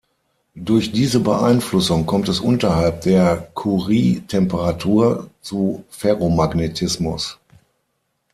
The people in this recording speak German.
Durch diese Beeinflussung kommt es unterhalb der Curie-Temperatur zu Ferromagnetismus.